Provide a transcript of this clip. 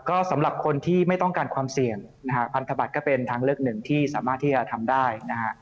ก็สำหรับคนที่ไม่ต้องการความเสี่ยงนะฮะพันธบัตรก็เป็นทางเลือกหนึ่งที่สามารถที่จะทำได้นะฮะ